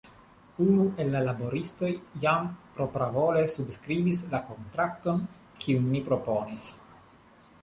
Unu el la laboristoj jam propravole subskribis la kontrakton kiun ni proponis.